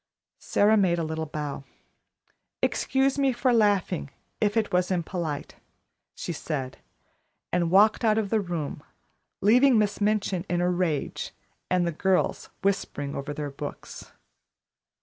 Sara made a little bow. "Excuse me for laughing, if it was impolite," she said, and walked out of the room, leaving Miss Minchin in a rage and the girls whispering over their books.